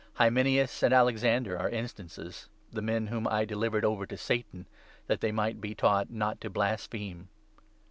Hymenaeus 20 and Alexander are instances — the men whom I delivered over to Satan, that they might be taught not to blaspheme.